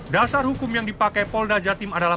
dasar hukum yang dipakai polda jatim adalah